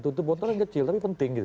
tutup botolnya kecil tapi penting gitu